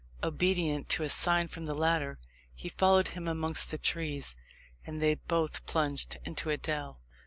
Obedient to a sign from the latter, he followed him amongst the trees, and they both plunged into a dell.